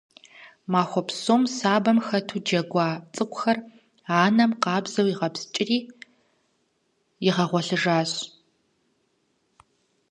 Махуэ псом сабэм хэту джэгуа цӏыкӏухэр анэм къабзэу игъэпскӏири игъэгъуэлъыжащ.